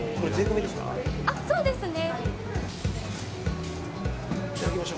そうですね。